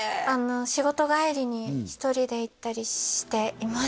仕事帰りに一人で行ったりしています